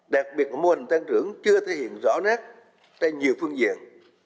đặc biệt là mô hình tăng trưởng chưa thể hiện rõ nét trên nhiều phương diện